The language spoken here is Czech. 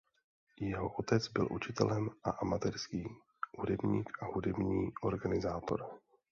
Jeho otec byl učitel a amatérský hudebník a hudební organizátor.